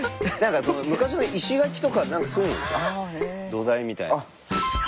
昔の石垣とか何かそういうのでしょ土台みたいな。